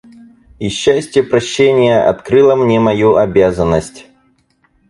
И счастье прощения открыло мне мою обязанность.